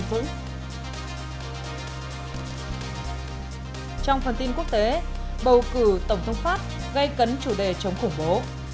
trong phần tin quốc tế bầu cử tổng thống pháp gây cấn chủ đề chống khủng bố